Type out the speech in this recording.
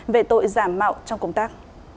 về tội giảm mạo trong công tác